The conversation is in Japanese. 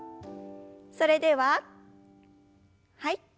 それでははい。